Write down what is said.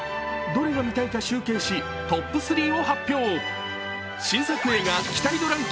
どれが見たいか集計しトップ３を発表。